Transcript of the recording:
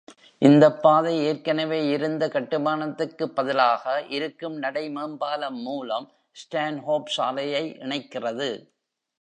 இந்தப் பாதை ஏற்கெனவே இருந்த கட்டுமானத்துக்கு பதிலாக இருக்கும் நடை மேம்பாலம் மூலம் Stanhope சாலையை இணைக்கிறது..